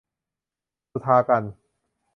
สุธากัญจน์